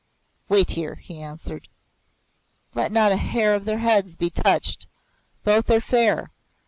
"Wait here," he answered. "Let not a hair of their heads be touched. Both are fair.